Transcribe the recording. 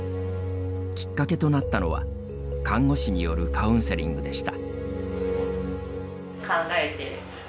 きっかけとなったのは看護師によるカウンセリングでした。